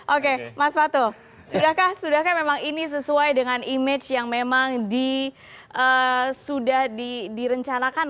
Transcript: oke mas fatul sudahkah sudahkah memang ini sesuai dengan image yang memang sudah direncanakan